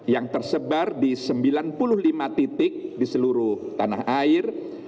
yang tersebar di sembilan puluh lima titik di seluruh tanah air